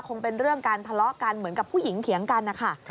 คงเป็นเรื่องการทะเลาะกันเหมือนกับผู้หญิงเถียงกันนะคะ